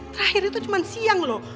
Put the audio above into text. terakhir itu cuma siang loh